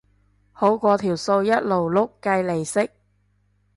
好過條數一路碌計利息